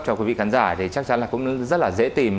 cho quý vị khán giả thì chắc chắn là cũng rất là dễ tìm